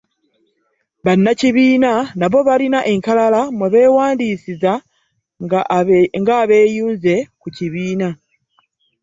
Bannakibiina nabo balina enkalala mwe beewandiisiza nga abeeyunze ku kibiina.